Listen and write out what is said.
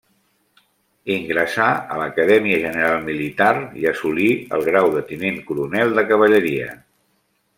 Ingressà a l'Acadèmia General Militar i assolí el grau de tinent coronel de cavalleria.